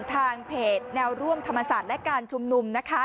ทางเพจแนวร่วมธรรมศาสตร์และการชุมนุมนะคะ